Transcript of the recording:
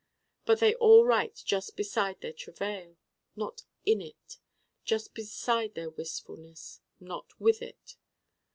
But they all write just beside their travail, not in it: just beside their wistfulness, not with it.